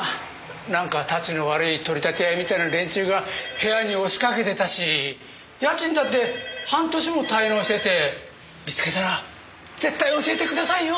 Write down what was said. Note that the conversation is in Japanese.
なんかたちの悪い取り立て屋みたいな連中が部屋に押しかけてたし家賃だって半年も滞納してて見つけたら絶対教えてくださいよ。